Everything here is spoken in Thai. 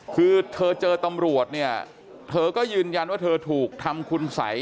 คือเธอเจอตำรวจเนี่ยเธอก็ยืนยันว่าเธอถูกทำคุณสัย